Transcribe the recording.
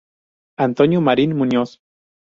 Antonio Marín Muñoz.